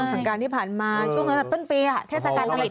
สงกราศที่ผ่านมาช่วงในต้นปี่เทศการณ์ก็หมดหมด